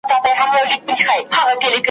نسیم دي هر سبا راوړلای نوی نوی زېری `